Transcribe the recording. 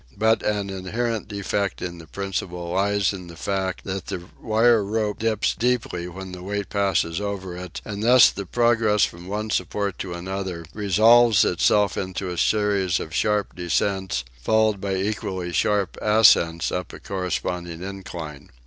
But an inherent defect in the principle lies in the fact that the wire rope dips deeply when the weight passes over it, and thus the progress from one support to another resolves itself into a series of sharp descents, followed by equally sharp ascents up a corresponding incline.